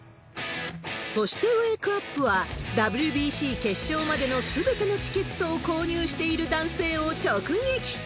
そしてウェークアップは、ＷＢＣ決勝までのすべてのチケットを購入している男性を直撃。